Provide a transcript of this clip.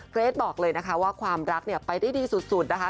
เกรทบอกเลยนะคะว่าความรักเนี่ยไปได้ดีสุดนะคะ